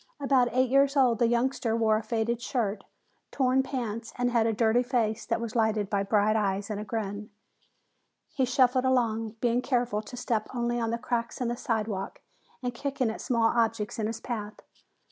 About eight years old, the youngster wore a faded shirt, torn pants, and had a dirty face that was lighted by bright eyes and a grin. He shuffled along, being careful to step only on the cracks in the sidewalk and kicking at small objects in his path.